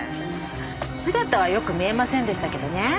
姿はよく見えませんでしたけどね。